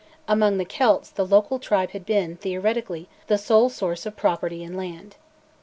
Among the Celts the local tribe had been, theoretically, the sole source of property in land.